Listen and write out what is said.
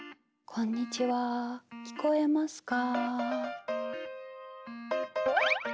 「こんにちは聞こえますか」